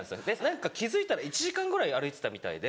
何か気付いたら１時間ぐらい歩いてたみたいで。